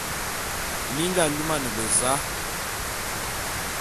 Mi nga lumane beza?